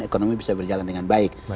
ekonomi bisa berjalan dengan baik